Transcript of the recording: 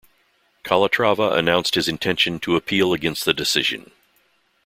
Calatrava announced his intention to appeal against the decision.